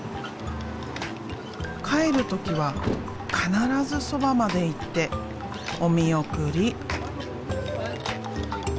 帰る時は必ずそばまで行ってお見送り。